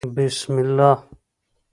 بسم الله